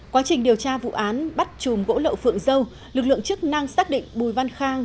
quá trình điều tra vụ án bắt chùm gỗ lậu phượng dâu lực lượng chức năng xác định bùi văn khang